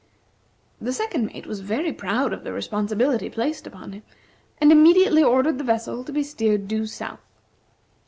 The second mate was very proud of the responsibility placed upon him, and immediately ordered the vessel to be steered due south.